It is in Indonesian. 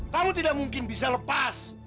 kalau tidak mungkin bisa lepas